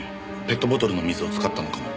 ペットボトルの水を使ったのかも。